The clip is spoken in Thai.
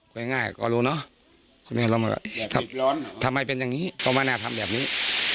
คุยง่ายก็รู้เนอะทำไมเป็นอย่างงี้โครงพยาบาลน่าทำแบบนี้